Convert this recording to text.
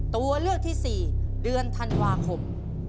ตัวเลือกที่๔เดือนธันวาคม